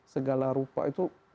segala rupa itu